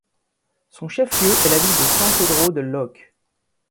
Son chef-lieu est la ville de San Pedro de Lloc.